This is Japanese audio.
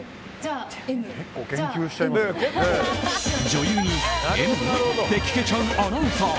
女優にＭって聞けちゃうアナウンサー。